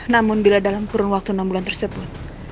namun bila dalam kurun waktu enam bulan tersebut